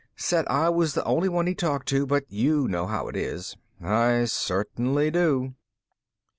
Said I was the only one he'd talk to, but you know how it is." "I certainly do."